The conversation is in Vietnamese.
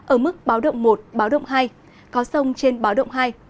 ở mức báo động một báo động hai